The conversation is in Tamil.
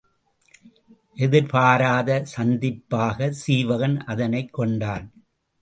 எதிர்பாராத சந்திப்பாகச் சீவகன் அதனைக் கொண்டான்.